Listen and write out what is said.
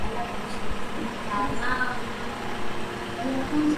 Ngombe hushambuliwa zaidi kuliko mbuzi na ugonjwa wa vidonda vya miguu na midomo